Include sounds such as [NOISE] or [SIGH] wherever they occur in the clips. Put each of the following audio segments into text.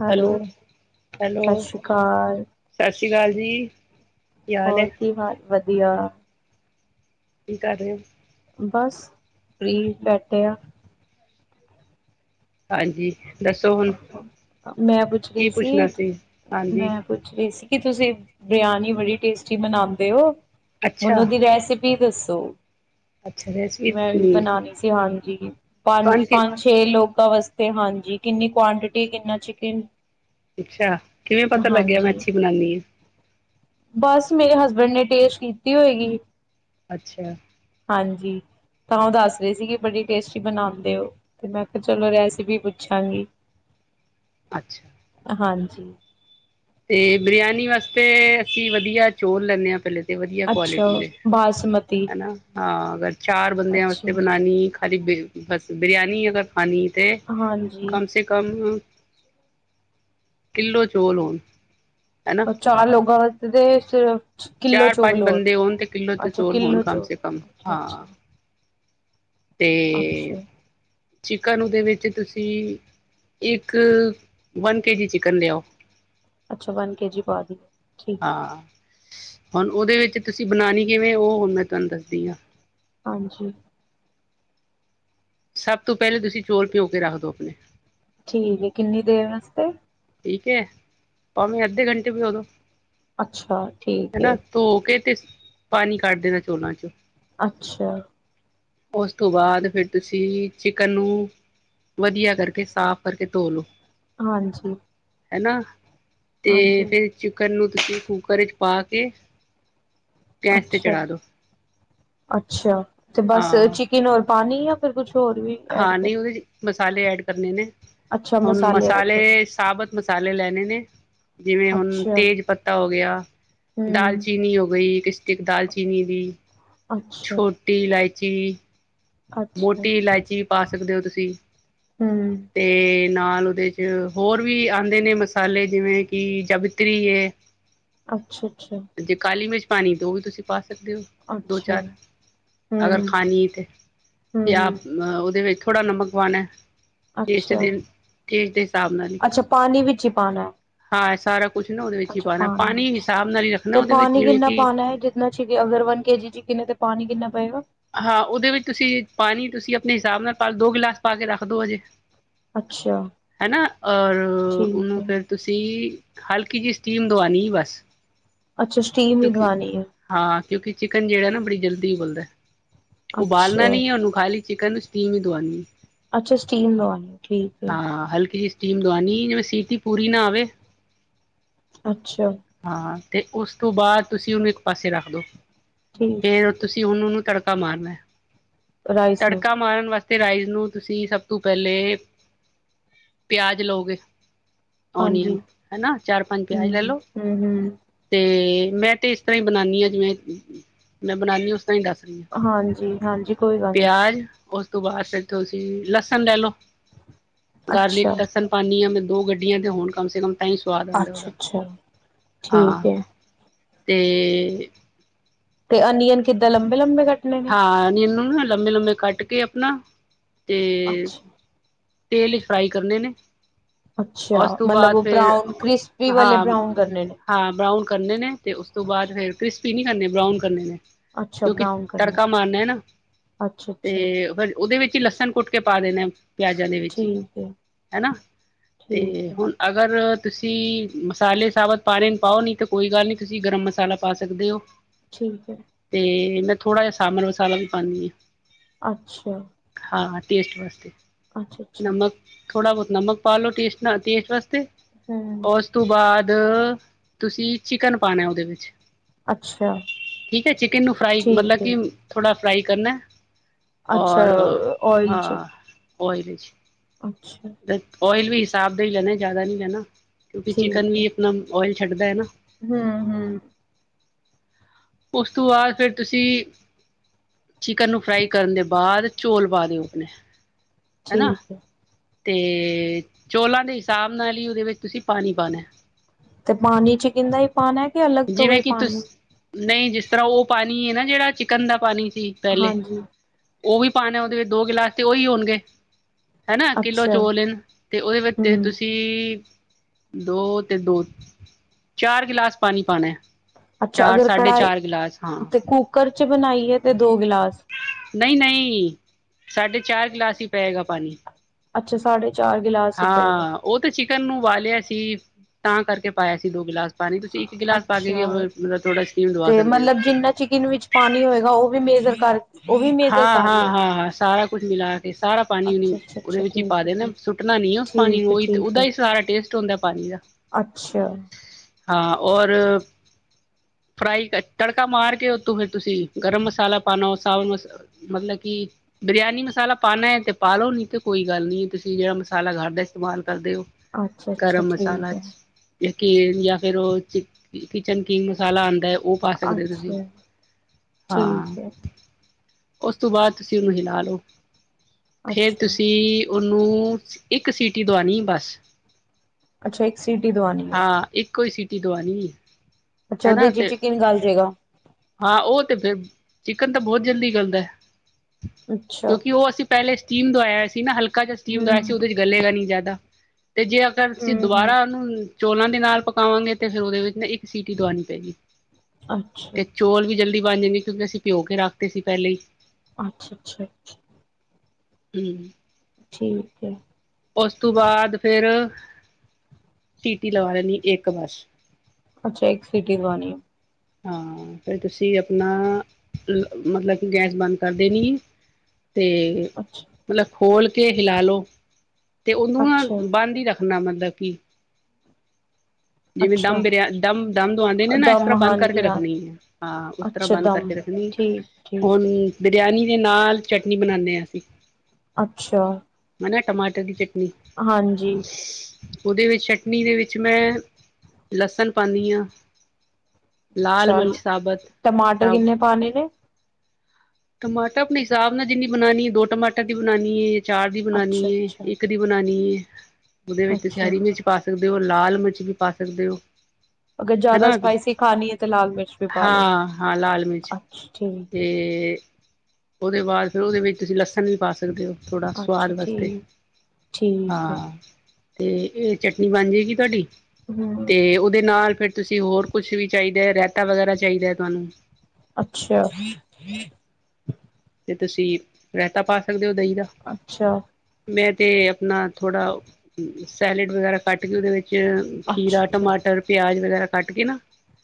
Hello hello ਸਤਿ ਸ੍ਰੀ ਅਕਾਲ। ਸਤਿ ਸ਼੍ਰੀ ਅਕਾਲ ਜੀ। ਕੀ ਹਾਲ ਹੈ ਹੋਰ ਕੀ ਹਾਲ ਵਧੀਆ ਵਧਿਆ ਕੀ ਕਰ ਰਹੇ ਹੋ। ਬਸ ਫ੍ਰੀ ਬੈਠੇ ਆ। ਹਾਂਜੀ। ਦੱਸੋ ਹੁਣ ਮੈਂ ਪੁੱਛ ਰਹੀ ਕੀ ਸੀ ਪੁੱਛਣਾ ਹਾਂਜੀ ਮੈਂ ਪੁੱਛ ਰਹੀ ਸੀ। ਕੀ ਤੁਸੀਂ ਬਿਰਿਆਨੀ ਬੜੀ ਟੇਸਟੀ ਬਨਾਉਂਦੇ ਹੋ। ਅੱਛਾ ਹੁਣ ਉਹਦੀ ਰੈਸਿਪੀ ਵੀ ਦੱਸੋ। ਅੱਛਾ ਰੈਸਪੀ ਪੁਛਣੀ ਏ। ਜੀ। ਪੰਜ ਪੰਜ ਛੇ ਲੋਕਾਂ ਵਸਤੇ ਹਾਂਜੀ। ਕਿੰਨੀ ਕੁਆਂਟਿਟੀ ਕਿੰਨਾ ਚਿਕਨ? ਅੱਛਾ ਕਿਵੇਂ ਪਤਾ ਲੱਗਿਆ ਮੈਂ ਹਾਂਜੀ ਅੱਛੀ ਬਣਾਉਨੀ ਹਾਂ। ਬਸ ਮੇਰੇ ਨੇ ਟੇਸਟ ਕੀਤੀ ਹੋਏਗੀ। ਅੱਛਾ। ਹਾਂਜੀ ਤਾਂ ਉਹ ਦੱਸ ਰਹੇ ਸੀ ਕਿ ਬੜੀ ਟੇਸਟੀ ਬਣਾਉਂਦੇ ਹੋ ਤੇ ਮੈਂ ਕਿਹਾ ਚਲੋ ਰੈਸਪੀ ਪੁੱਛਾਂਗੀ। ਅੱਛਾ। ਹਾਂਜੀ। ਤੇ ਬਿਰਿਆਨੀ ਵਾਸਤੇ ਅਸੀਂ ਵਧੀਆ ਚੋਲ ਲੈਂਨੇ ਹਾਂ ਪਹਿਲੇ। ਤੇ ਵਧੀਆ ਅੱਛਾ ਕੁਆਲਿਟੀ ਦੇ ਬਾਸਮਤੀ ਹੈਨਾ ਹਾਂ। ਅਗਰ ਚਾਰ ਬੰਦਿਆਂ ਅੱਛਾ ਵਾਸਤੇ ਬਣਾਉਣੀ ਇੱਕ ਹਾਲ ਬਸ ਬਰਿਆਨੀ ਅਗਰ ਹਨ ਤਾਂ ਹਾਂਜੀ ਕਮ ਸੇ ਕਮ ਕਿੱਲੋ ਚੌਲ ਹੋਣ। ਹਨਾ ਚਾਰ ਲੋਕਾਂ ਵਸਤੇ ਸਿਰਫ ਕਿੱਲੋ ਚਾਰ ਚੋਲ ਪੰਜ ਹੋਰ ਬੰਦੇ ਹੋਣ ਤੇ ਕਿੱਲੋ ਤੇ ਅੱਛਾ ਚੋਰ ਹੋਣ ਕਿੱਲੋ ਕਮ ਚੋਲ ਸੇ ਕਮ ਅੱਛਾ ਹਾਂ। ਅੱਛਾ ਤੇ ਅੱਛਾ ਚਿਕਨ ਉਹਦੇ ਵਿੱਚ ਤੁਸੀਂ ਇੱਕ ਵਨ ਕੇ ਜੀ ਚਿਕਨ ਲਿਆਓ। ਅੱਛਾ ਵਨ ਕੇ ਜੀ ਪਾ ਦੀ ਠੀਕ ਹਾਂ। ਹੁਣ ਉਹਦੇ ਵਿੱਚ ਤੁਸੀਂ ਬਣਾਉਣੀ ਕਿਵੇਂ ਉਹ ਹੁਣ ਮੈਂ ਤੁਹਾਨੂੰ ਦੱਸਦੀ ਹਾਂ। ਹਾਂਜੀ ਸਭ ਤੋਂ ਪਹਿਲੇ ਤੁਸੀਂ ਚੋਲ ਪਿਉ ਕੇ ਰੱਖ ਦੋ ਆਪਣੇ। ਠੀਕ ਹੈ ਕਿੰਨੀ ਦੇਰ ਵਾਸਤੇ ਠੀਕ ਹੈ ਭਾਵੇਂ ਅੱਧੇ ਘੰਟੇ ਵੀ ਭਿਗੋਦੋ ਅੱਛਾ, ਠੀਕ ਏ। ਕੇ ਤੇ, ਪਾਣੀ ਕੱਢ ਦੇਣਾ ਚੋਲਾਂ ਚੋਂ ਅੱਛਾ। ਉਸ ਤੋ ਬਾਅਦ ਫਿਰ, ਤੁਸੀਂ ਚਿਕਨ ਨੂੰ ਵਧੀਆ ਕਰਕੇ ਸਾਫ ਕਰਕੇ ਧੋ ਲੋ। ਹਾਂਜੀ। ਹੇਨਾ ਤੇ ਹਾਂਜੀ ਫੇਰ ਚਿਕਰ ਨੂੰ ਤੁਸੀਂ ਕੂਕਰ ਵਿੱਚ ਪਾ ਕੇ ਗੈਸ ਤੇ ਅੱਛਾ। ਚੜ੍ਹਾ ਦੋ ਅੱਛਾ। ਤੇ ਬਸ ਹਾਂ ਚਿਕਨ ਔਰ ਪਾਨੀ ਆ ਫਿਰ ਕੁਛ ਹੋਰ ਵੀ ਐਡ ਹਾਂ, ਕਰ ਨਹੀਂ ਉਹਦੇ ਚ ਬਸ ਮਸਾਲੇ ਐਡ ਕਰਨੇ ਨੇ। ਅੱਛਾ ਹੁਣ ਐਡ ਕਰਨੇ ਮਸਾਲੇ, ਸਾਬਤ ਮਸਾਲੇ ਲੈਣੇ ਨੇ। [INAUDIBLE] ਜਿਵੇਂ ਹੁਣ ਅੱਛਾ ਤੇਜ ਪੱਤਾ ਹੋ ਗਿਆ, ਹਮ ਦਾਲਚੀਨੀ ਹੋ ਗਈ, ਇੱਕ ਸਟਿਕ ਦਾਲਚੀਨੀ ਦੀ, ਅੱਛਾ ਛੋਟੀ ਇਲਾਇਚ ਜੇ ਅੱਛਾ ਮੋਟੀ ਇਲਾਇਚੀ ਪਾ ਸਕਦੇ ਹੋ ਤੁਸੀਂ‌। ਹੂੰ ਨਾਲ ਉਹਦੇ ਚ ਹੋਰ ਵੀ ਆਉਂਦੇ ਨੇ ਮਸਾਲੇ, ਜਿਵੇਂ ਕਿ ਜਵੀਤਰੀ ਏ ਅੱਛਾ, ਅੱਛਾ। ਪਾਣੀ ਦੋਗੇ, ਤੁਸੀ ਪਾਸ ਸਕਦੇ [INAUDIBLE] ਦੋ ਅੱਛਾ ਚਾਰ ਅਗਰ ਹੂੰ ਖਾਣੀ ਤਾਂ ਤੇ ਹੂੰ ਆਪ ਹੂੰ ਨ ਅ ਦੇ ਵਿੱਚ ਥੋੜਾ ਨਮਕ ਪਾਣਾ ਏ ਹਿਸਾਬ ਨਾਲ ਹੀ ਅੱਛਾ-ਅੱਛਾ ਪਾਨੀ ਵਿੱਚ ਹੀ ਪਾਨਾ ਐ? ਸਾਰ ਅੱਛਾ ਪਾਣੀ ਵਿੱਚ। ਰੱਖਣਾ ਤੇ, ਉਹਦੇ ਵਿੱਚ ਪਾਨੀ ਜਿਵੇਂ ਕਿੰਨਾ ਕਿ ਪਾਨਾ? ਜਿਨਾ ਚ ਅਗਰ ਵਨ ਕੇਜੀ ਚ, ਕਿ ਤੇ ਪਾਨੀ ਕਿੰਨਾ ਪਏਗਾ ਹਾਂ, ਉਹਦੇ ਵਿੱਚ ਤੁਸੀਂ ਪਾਨੀ, ਤੁਸੀਂ ਆਪਣੇ ਹਿਸਾਬ ਨਾਲ ਪਾ ਦੋ ਗਿਲਾਸ ਪਾ ਕੇ ਰੱਖ ਦੋ ਹਜੇ ਅੱਛਾ ਹਨਾ, ਔਰ ਠੀਕ ਉਹਨੂੰ ਹੈ ਫੇਰ ਤੁਸੀਂ ਹਲਕੀ ਜਿਹੀ ਸਟੀਮ ਦਵਾਣੀ ਏ ਬਸ। ਅੱਛਾ। ਸਟੀਮ ਹੀ ਕਿਉਂਕਿ ਦਵਾਨੀ ਏ। ਹਾਂ ਕਿਉਂਕਿ, ਚਿਕਨ ਜਿਹੜਾ ਨਾ, ਬੜੀ ਜਲਦੀ ਉਬਲਦਾ ਐ ਉਬਾਲਣਾ ਅੱਛਾ ਨਹੀਂ ਹੈ, ਉਹਨੂੰ ਖਾਲੀ ਚਿਕਨ ਨੂੰ ਸਟੀਮ ਹੀ ਦਵਾਉਂਦੀ ਅੱਛਾ ਸਟੀਮ ਦਵਾਨੀ। ਠੀਕ ਏ ਸਾਟੀਮ ਦੋਵਾਨੀ ਜ ਸਿਟੀ ਪੂਰੀ ਨਾ ਆਵੇ ਅੱਛਾ। ਅਤੇ ਉਸ ਤੋਂ ਬਾਅਦ ਤੁਸੀਂ ਉਹਨੂੰ ਇੱਕ ਪਾਸੇ ਰੱਖ ਦਿਉ। ਠੀਕ ਫੇਰ ਤੁਸੀਂ ਉਹਨੂੰ ਕਾ ਮਾਰਨਾ ਰਾਈਸ ਨੂੰ ਤੜਕਾ ਮਾਰਨ ਵਾਸਤੇ ਤੇ, ਰਾਈਜ਼ ਨੂੰ ਤੁਸੀਂ ਸਭ ਤੋਂ ਪਹਿਲੇ, ਪਿਆਜ ਲਓਗੇ ਹਾਂਜੀ ਓਨੀਅਨ ਹਨਾ। ਚਾਰ- ਪੰਜ ਪਿਆਜ ਲੈ ਹੂੰ ਲੋ, ਹੂੰ ਹੂੰ ਤੇ ਮੈਂ ਤੇ ਇਸ ਤਰ੍ਹਾਂ ਹੀ ਬਣਾਉਾਨਦੀ ਹਾਂ ਜਿਵੇਂ, ਮੈਂ ਬਣਾਉਾਨਦੀ ਹਾ, ਉਸ ਤਰ੍ਹਾਂ ਹੀ ਦੱਸ ਰਹੀ ਹਾਂ ਹਾਂਜੀ-ਹਾਂਜੀ ਕੋਈ ਗੱਲ ਨਹੀਂ ਪਿਆਜ ਉਸ ਤੋਂ ਬਾਅਦ ਫਿਰ ਤੁਸੀਂ ਲਸਣ ਲੈ ਲੌ। ਗਾਰਲਿਕ ਅੱਛਾ ਲਸਣ ਪਾਉਦੀ ਹਾਂ। ਮੈਂ ਦੋ ਗੱਡੀਆਂ ਤੇ ਹੋੁਣ ਕਮ ਸੇ ਕਮ ਤਾਂ ਹੀ ਸਵਾਦ ਆਉਂਦਾ ਉਹਦਾ ਅੱਛਾ-ਅੱਛਾ ਹਾਂ ਠੀਕ ਹੈ। ਤੇ ਤੇ ਓਨਿਅਨ ਕਿੱਦਾਂ ਲੰਬੇ-ਲੰਬੇ ਕ ਹਾਂ। ਨਿ ਓੰਨ ਲੰਮੇ-ਲੰਮੇ ਕੱਟ ਕੇ ਆਪਣਾ ਤੇ ਤੇਲ ਫਰਾਈ ਕਰਨੇ ਨੇ ਅੱਛਾ-ਅੱਛਾ ਉਸ ਤੋਂ ਮਤਲਬ ਬਾਅਦ ਉਹ ਫਿਰ, ਬਰਾਊਨ ਕ੍ਰਿਸਪੀ ਵਾਲੇ ਹਾਂ। ਬਰਾਊਨ ਕਰਨੇ ਨੇ। ਹਾਂ, ਬਰਾਊਨ ਕਰਨੇ ਨੇ, ਤੇ ਉਸ ਤੋਂ ਬਾਅਦ ਫੇਿਰ ਕ੍ਰਿਸਪ ਪੀਂਕ ਨੇ ਕਰਨੇ ਬਰਾਾਊਨ ਕਰਨੇ ਅੱਛਾ, ਕਿਉਂਕਿ ਬਰਾਊਨ ਕਰਨਾ ਤੜਕਾ ਮਾਰਨਾ ਨਾ। ਤੇ ਅੱਛਾ-ਅੱਛਾ ਫ ਉਹਦੇ ਵਿੱਚ ਹੀ ਲਸਣ ਕੁੱਟ ਕੇ ਪਾ ਦੇਣੇ। ਪਿਆਜ਼ਾਂ ਦੇ ਵਿੱਚ ਹੀ ਠੀਕ ਏ। ਹੈ। ਨਾ, ਅਤੇ ਠੀਕ ਹੈ, ਹੁਣ ਅਗਰ ਤੁਸੀਂ ਮਸਾਲੇ ਸਾਬਤ ਪਾੇ ਨੂੰ ਪਾਓ ਨਹੀਂ ਤੇ ਕੋਈ ਗੱਲ ਨਹੀਂ ਤੁਸੀਂ ਗਰਮ ਮਸਾਲਾ ਪਾ ਸਕਦੇ ਹੋ। ਠੀਕ ਹੈ। [UNINTELLIGIBLE] ਥੋੜ੍ਹਾ ਜਿਹਾ ਸਾਂਬਰ ਮਸਾਲਾ ਵੀ ਪਾਉਂਦੀ ਹਾਂ। ਅੱਛਾ। ਹਾਂ, ਟੇਸਟ ਵਸਤੇ ਅੱਛ ਅੱਛਾ ਥੋੜ੍ਹਾ ਬੋਤ ਨਮਕ ਪਾ ਲਓ ਟੇਸਟ ਨਾਲ ਟੇਸਟ ਵਾਸਤੇ ਹੂੰ। ੳਸ ਤੋਂ ਬਾਅਦ ਤੁਸੀਂ ਚਿਕਨ ਪਾਣਾ ਉਹਦੇ ਵਿੱਚ ਅੱਛਾ ਠੀਕ ਏ ਚਿਕਨ ਨੂੰ ਫਰਾਈ ਮਲਬ ਠੀਕ ਕੀ ਥੋੜਾ ਫਰਾਈ ਕਰਨਾ ਅੱਛ ਓਇਲ ਚ ੳਇਲ ਚ ਅੱਛਾ ਓਇਲ ਵੀ ਹਿਸਾਬ ਦਾ ਹੀ ਲੈਨਾ ਜ਼ਿਆਦਾ ਨੀ ਲੈਨਾ ਕਿਉਂਕਿ ਚਿਕਨ ਵੀ ਅਪਨਾ ੳਇਲ ਛੱਡਦਾ ਏ ਨਾ ਹੁ ਹੁ ੳਸ ਤੋਂ ਬਾਅਦ ਫਿਰ ਤੁਸੀਂ ਚਿਕਨ ਨੂੰ ਫਰਾਈ ਕਰਨ ਦੇ ਬਾਅਦ ਚੌਲ ਪਾ ਦਿਓ ਹਨਾ ਠੀਕ ਏ ਤੇ ਚੋਲਾਂ ਦੇ ਹਿਸਾਬ ਨਾਲ ਹੀ ਉਹਦੇ ਵਿੱਚ ਤੁਸੀਂ ਪਾਣੀ ਪਾਉਣਾ ਤੇ ਪਾਨੀ ਚ ਕਿੰਨਾ ਈ ਪਾਨਾ ਅਲੱਗ ਤੋਂ ਗਏ ਜਿਵੇਂ ਕਿ ਪਾਨੀ ਤੁਸ ਨਹੀਂ ਜਿਸ ਤਰ੍ਹਾਂ ਉਹ ਪਾਨੀ ਏ ਨਾ ਜਿਹੜਾ ਚਿਕਨ ਦਾ ਪਾਨੀ ਸੀ ਪਹਿਲੇ ਹਾਂਜੀ ਉਹ ਵੀ ਪਾਨਾ ਉਹਦੇ ਵਿੱਚ, ਦੋ ਗਿਲਾਸ ਤੇ ਉਈ ਹੋਣਗੇ। ਹੈਨਾ ਕਿੱਲੋ ਅੱਛਾ ਚੌਲ ਹੇਨ ਤੇ ਉਹਦੇ ਵਿੱਚ ਹੂੰ ਤੁਸੀਂ ਦੋ ਤੇ ਦੋ ਚਾਰ ਗਿਲਾਸ ਪਾਨੀ ਪਾਣਾ। ਅੱਛਾ ਚਾਰ ਅਗਰ ਸਾਢੇ ਕੜਾਈ ਚਾਰ ਗਿਲਾਸ ਹਾਂ ਤੇ ਕੂਕਰ ਜੇ ਬਨਾਈਏ ਤੇ ਦੋ ਗਿਲਾਸ ਨਈ ਨਈ, ਸਾਢੇ ਚਾਰ ਗਲਾਸ ਈ ਪਏਗਾ ਪਾਨੀ। ਅੱਛਾ, ਸਾਡੇ ਹਾਂ ਉਹ ਤਾਂ ਚਿ ਚਿਕਨ ਨੂੰ ਉਬਾਲਿਆ ਸੀ, ਤਾਂ ਕਰਕੇ ਪਾਇਆ ਸੀ ਦੋ ਗਲਾਸ ਅੱਛਾ ਸਟੀਮ ਦਵਾ ਤੇ ਸਕਦੇ ਹੋ ਮਤਲਬ ਤੁਸੀਂ ਜਿੰਨਾ ਚਿਕੱਨ ਵਿੱਚ ਪਾਨੀ ਹੋਏਗਾ ਉਹ ਵੀ ਮੇਜ਼ਰ ਕਰ [INAUDIBLE] ਕੇ ਹਾਂ-ਹਾਂ-ਹਾਂ-ਸਾਰਾ ਕੁੱਜ ਮੀਲਾ ਅਤੇ ਸਾਰਾ ਪਾਣੀ-ਉਣੀ ਅੱਛਾ ਅੱਛਾ ਉਹਦੇ ਅੱਛਾ ਵਿੱਚ ਹੀ ਪਾ ਠੀਕ ਦੇ ਨਾ ਹੈ ਏ, ਸੁਟਣਾ ਨਹੀਂ ਹੈ ਉਸ ਪਾਣੀ ਠੀਕ ਠੀਕ ਨੂੰ ਹੈ ਠੀਕ ਉਹਦਾ ਹੈ ਹੀ ਸਾਰਾ ਟੇਸਟ ਹੁਂਦਾ ਏ ਪਾਣੀ ਦਾ ਅੱਛਾ ਹਾਂ ਔਰ ਫਰਾਈ ਤੜਕਾ ਮਾਰ ਕੇ ਉੱਤੋਂ ਫਿਰ ਤੁਸੀਂ ਗਰਮ ਮਸਾਲਾ ਪਾਉਣਾ ਸਾਵਤ ਮਸਾ ਮਤਲਬ ਕਿ ਬਰਿਆਨੀ ਮਸਾਲਾ ਪਾਉਣਾ ਹੈ ਤੇ ਪਾ ਲਓ ਨੀ ਤੇ ਕੋਈ ਗੱਲ ਨੀ, ਤੁਸੀਂ ਜਿਹੜਾ ਮਸਾਲਾ ਘਰ ਦਾ ਇਸਤੇਮਾਲ ਕਰਦੇ ਉਹ ਅੱਛਾ ਅੱਛਾ ਗਰਮ ਮਸਾਲਾ ਠੀਕ ਹੈ ਯਾਂ ਫਿਰ ਉਹ ਚਿੱਕ-ਕਿਚੱਨ ਕਿੰਗ ਮਸਾਲਾ ਆਉਦਾ ਏ ਉਹ ਪਾ ਸਕਦੇ ਹੋ ਤੁਸੀਂ, ਅੱਛਾ ਹਾਂ ਠੀਕ ਹੈ ਉਸ ਤੋਂ ਬਾਅਦ ਤੁਸੀਂ ਉਹਨੂੰ ਹਿਲਾ ਲਓ ਫਿਰ ਅੱਛਾ ਤੁਸੀਂ ਉਹਨੂੰ ਇੱਕ ਸੀਟੀ ਦਵਾਣੀ ਏ ਬਸ ਅੱਛਾ, ਇੱਕ ਸੀਟੀ ਦਵਾਨੀ ਏ ਇਕੋ ਸੀਟੀ ਦਵਾਣੀ ਏ ਅੱਛਾ, ਉਦੇ ਚ ਹੀ ਚਿਕੀਨ ਗੱਲ ਜੇਗਾ ਹਾਂ ਉਹ ਤੇ ਫਿਰ ਚਿਕੱਨ ਤਾਂ ਬਹੁਤ ਜਲਦੀ ਗਲਦਾ ਏ ਅੱਛਾ ਕਿਉਂਕਿ ਉਹ ਅਸੀਂ ਪਹਿਲੇ ਸਟੀਮ ਦਵਾਇਆ ਸੀ ਨਾ ਹਲ ਕਾ ਜਿਹਾ ਸਟੀਮ ਦਾ ਆਇਆ ਸੀ ਹਮ ਉਹਦੇ ਚ ਗਲੇਗਾ ਨੀ ਨਹ ਜਾਦਾ ਤੇ ਜੇ ਅਗਰ ਤੁਸੀਂ ਹਮ ਹਮ ਦੁਬਾਰਾ ਉਹਨੂੰ ਚੋਲਾਂ ਦੇ ਨਾਲ ਪਕਾਵਾਂਗੇ ਤੇ ਫਿਰ ਉਹਦੇ ਵਿੱਚ ਨਾ ਇੱਕ ਸੀਟੀ ਦਵਾਉਣੀ ਪਏਗੀ ਅੱਛਾ ਤੇ ਚੌਲ ਵੀ ਜਲਦੀ ਬਣ ਜਾਂਦੇ ਨੇ ਕਿਉਂਕ ਅਸੀ ਭੀਓ ਕੇ ਰੱਖਤੇ ਸੀ ਪਹਿਲੇ ਹੀ ਅੱਛ ਅੱਛਾ ਹਮ ਠੀਕ ਹੈ ਉਸ ਤੋਂ ਬਾਅਦ ਫਿਰ ਸੀਟੀ ਲਵਾ ਲੈਂਣੀ ਇੱਕ ਬਸ ਅੱਛਾ ਇੱਕ ਸਿਟੀ ਦਵਾਨੀ ਹੈ ਹਾਂ ਫਿਰ ਤੁਸੀ ਆਪਣਾ ਲ ਮਤਲਬ ਕਿ ਗੈਸ ਬੰਦ ਕਰਦੇ ਨੀ ਤੇ ਅੱਛ ਮਤਲਬ ਖੋਲ੍ਹ ਕੇ ਹਿਲਾ ਲਓ ਤੇ ਉਹਨੂੰ ਅੱਛਾ ਅ ਬੰਦ ਹੀ ਰੱਖ ਰਣਾ ਮਤਲਬ ਕਿ ਜਿਵੇਂ ਅੱਛਾ ਦਮ ਬਿਰਿਆ ਦਮ ਦਮ ਦਵਾਉਂਦੇ ਨੇ ਨਾ ਇਸ ਦਮ ਤਰ੍ਹਾਂ ਬੰਦ ਹਾਂਜੀ ਕਰਕੇ ਹਾਂ ਰੱਖਣੀ ਹੈ ਹਾਂ ਉਸ ਤਰ੍ਹਾਂ ਅੱਛਾ ਬੰਦ ਦਮ ਕਰਕੇ ਰੱਖਣੀ ਹੈ ਠੀਕ ਹੁਣ ਠੀਕ ਹੈ ਇਨੀ ਦੇ ਨਾਲ ਚਟਨੀ ਬਣਾਉਨੇ ਹਾਂ ਅਸੀ ਅੱਛਾ ਮ ਟਮਾਟਰ ਦੀ ਚਟ ਨੀ ਹਾਂਜੀ ਉਹਦੇ ਵਿੱਚ ਚਟਨੀ ਦੇ ਵਿੱਚ ਮੈਂ ਲਸਣ ਪਾਉਨੀ ਹਾਂ। ਲਾਲ ਮਿਰਚ ਚੱਲ ਸਾਬਤ ਟਮਾਟਰ ਸਭ ਕਿੰਨੇ ਪਾਣੇ ਨੇ? ਟਮਾਟਰ ਅਪਣੇ ਹਿਸਾਬ ਨਾਲ ਜਿੰਨੀ ਬਣਾਉਣੀ ਹੈ ਦੋ ਟਮਾਟਰ ਦੀ ਬਣਾਉਣੀ ਏ। ਚਾਰ ਦੀ ਬਣਾਉਣੀ ਅੱਛਾ ਹੈ ਅੱਛਾ ਇੱਕ ਦੀ ਬਣਾਉਣੀ ਏ। [INAUDIBLE] ਉਹਦੇ ਵਿੱਚ ਤੁਸੀਂ ਅੱਛਾ ਹਰੀ ਮਿਰਚ ਪਾ ਸਕਦੇ ਉਹ ਲਾਲ ਮਿਰਚ ਵੀ ਪਾ ਸਕਦੇ ਹੋ। ਅਗਰ ਜ਼ਿਆਦਾ ਹਨਾ ਸਪਾਈਸੀ ਖਾਣੀ ਹੈ ਤੇ ਲਾਲ ਮਿਰਚ ਵੀ ਪਾ ਲੋ ਹਾਂ ਹਾਂ ਲਾਲ ਮਿਰਚ ।ਅਛ ਤੇ ਉਹਦੇ ਬਾਅਦ ਫਿਰ ਉਹਦੇ ਵਿੱਚ ਤੁਸੀਂ ਲਸਣ ਵੀ ਪਾ ਸਕਦੇ ਹੋ। ਥੋੜ੍ਹਾ ਸਵਾਦ ਅੱਛਾ ਵਾਸਤੇ ਠੀਕ ਠੀਕ ਹੈ ਹਾਂ। ਤੇ ਇਹ ਚਟਨੀ ਬਣ ਜਾਏਗੀ ਤੁਹਾਡੀ। ਹਮ ਤੇ ਉਹਦੇ ਨਾਲ ਫਿਰ ਤੁਸੀਂ ਹੋਰ ਕੁਛ ਵੀ ਚਾਹੀਦਾ ਹੈ ਰੈਤਾ ਵਗੈਰਾ ਚਾਹੀਦਾ ਹੈ ਤੁਹਾਨੂੰ। ਅੱਛਾ। ਤੇ ਤੁਸੀਂ ਰਾਇਤਾ ਪਾ ਸਕਦੇ ਹੋ। ਦਹੀਂ ਦਾ ਅੱਛਾ ।ਮੈਂ ਤੇ ਆਪਣਾ ਥੋੜ੍ਹਾ ਸੈਲਡ ਵਗੈਰਾ ਕੱਟ ਕੇ ਉਹਦੇ ਵਿੱਚ ਚ ਖੀਰਾ ਅੱਛਾ ਅੱਛਾ ਟਮਾਟਰ ਪਿਆਜ਼ ਵਗੈਰਾ। ਕੱਟ ਕੇ ਨਾ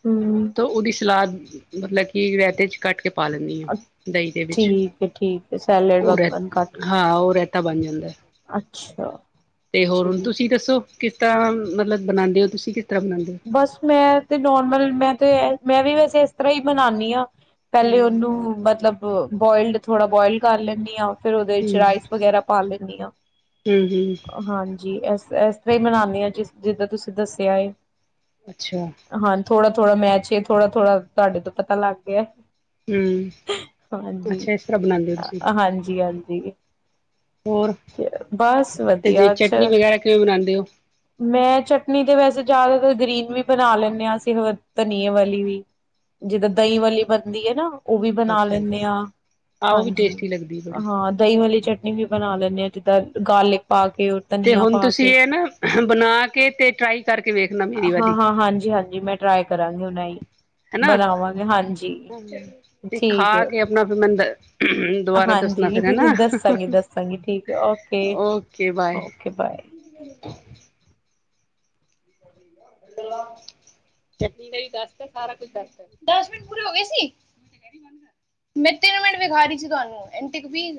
ਹਮ ਤਾਂ ਉਹਦੀ ਸਲਾਦ ਮਤਲਬ ਕੀ ਰੈਤੇ ਚ ਕੱਟ ਕੇ ਪਾ ਲੈਂਦੀ ਆਂ ਦਈਂ ਦੇ ਵਿੱਚ। ਠੀਕ ਹੈ ਠੀਕ ਹੈ, ਸੈਲੇਡ ਵਕਨ ਕੱਟ ਕੇ ਤਾ ਬਾਣ ਜਾਂਦੈ। ਅੱਛਾ, ਠੀਕ ਏ। ਤੁਸੀਂ ਦੱਸੋ ਕਿਸ ਤਰ੍ਹਾਂ ਮਤਲਬ ਬਣਾਂਦੇ ਔ? ਤੁਸੀਂ ਕਿਸ ਤਰ੍ਹਾਂ ਬਣਾਉਂਦੇ ਹੋ? ਬਸ ਮੈਂ ਤੇ ਨੋਰਮਲ ਮੈਂ ਤੇ ਮੈਂ ਵੀ ਵੈਸੇ ਐਸ ਤਰ੍ਹਾਂ ਈ ਬਣਾਣੀ ਆਂ। ਪੈਲੇ ਹੂੰ ਔਨੂੰ ਮਤਲਬ ਬੋਇਲਡ ਥੋੜਾ ਬੋਇਲ ਕਰ ਲੈਂਣੀ ਆਂ। ਫੇਰ ਓਦੇ ਚ ਰਾਈਸ ਹੂੰ ਵਗੈਰਾ ਪਾ ਲੈਂਣੀ ਆਂ, ਹੂੰ ਹਾਂਜੀ। ਫੇਰ ਐਸ ਤਰ੍ਹਾਂ ਈ ਮਨਾਂਦੀ ਆਂ ਜਿਸ ਜਿੱਦਾਂ ਤੁਸੀਂ ਦੱਸਆ ਏ। ਅੱਛਾ। ਥੋੜਾ ਥੋੜਾ ਮੈਚ ਏ, ਥੋੜਾ ਥੋੜਾ ਤੁਹਾਡੇ ਤੋਂ ਪਤਾ ਲੱਗ ਗਿਆ ਹੂੰ ਹਾਂਜੀ, ਅੱਛਾ ਇਸ ਤਰ੍ਹਾਂ ਬਣਾਉਂਦੇ ਹੋ ਤੁਸੀਂ ਹਾਂਜੀ ਹਾਂਜੀ। ਹੋਰ ਬਸ ਤੇ ਜੇ ਵਧੀਆ ਚਟਨੀ ਅੱਛਾ, ਵਗੈਰਾ ਕਿਵੇਂ ਬਣਾਉਂਦੇ ਹੋ? ਮੈਂ ਚਟਨੀ ਤੇ ਵੈਸੇ ਜਿਆਦਾ ਗਰੀਨ ਵੀ ਬਣਾ ਲੈਂਦੇ ਆਂ ਅਸੀਂ ਹੋਰ ਧਨੀਏ ਵਾਲੀ ਵੀ, ਜਿੱਦਾਂ ਦਈਂ ਵਾਲੀ ਬਣਦੀ ਏ ਨਾ ਔ ਵੀ ਬਣਾ ਅੱਛਾ ਲੈਂਣੇ ਜੀ ਆਂ, ਆਹ ਉਹ ਵੀ ਹਾਂਜੀ ਟੇਸਟੀ ਲੱਗਦੀ ਬੜੀ ਹਾਂ ਦਹੀਂ ਵਾਲੀ ਚਟਨੀ ਵੀ ਬਣਾ ਲੈਂਣੇ ਆਂ, ਜਿੱਦਾਂ ਗਾਰਲੀਕ ਪਾਕ ਤੇ ਹੁਣ ਤੁਸੀਂ ਐ ਨਾ ਬਣਾ ਕੇ ਤੇ ਟਰਾਈ ਕਰਕੇ ਵੇਖਣਾ। ਮੇਰੀ ਹਾਂ ਵਾਲੀ ਹਾਂ, ਹਾਂਜੀ ਹਾਂਜੀ ਮੈਂ ਟਰਾਈ ਕਰਾਂਗੀ ਹੁਣ ਐਹੀ। [INAUDIBLE] ਹੈਨਾ ਤੇ ਖਾ ਠੀਕ ਹੈ ਕੇ ਅਪਣਾ ਫੇਰ ਮੈਨ ਦੁਵਾਰਾ ਦੱਸਣਾ ਹਾਂਜੀ ਫੇਰ ਹੈਨਾ, ਦੱਸਾਂਗੀ ਦੱਸਾਂਗੀ ਠੀਕ ਹੈ ਓਕੇ ਬਾਏ। Okay bye. ਚਟਨੀ ਦਾ ਵੀ ਦੱਸਤੈ, ਸਾਰਾ ਕੁਛ ਦੱਸਤੈ। ਦਸ ਮਿੰਟ ਪੂਰੇ ਹੋ ਗੇ ਸੀ, ਮੈਂ ਤਿੰਨ ਮਿੰਟ ਵਿਖਾ ਰੀ ਸੀ ਤਤੁਹਾਨੂੰ ਐਂਟ ਕਪੀ